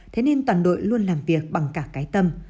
thế nên toàn đội luôn làm việc bằng cả cái tâm